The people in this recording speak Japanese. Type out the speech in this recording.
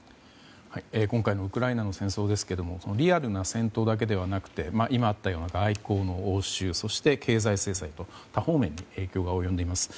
今回のウクライナの戦争ですけどリアルな戦闘だけではなくて今あったような外交の応酬そして、経済制裁と多方面に影響が及んでいます。